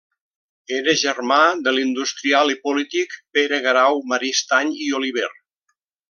Era germà de l'industrial i polític Pere Guerau Maristany i Oliver.